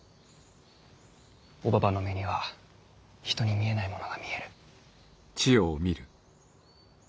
おばばの目には人に見えないものが見える。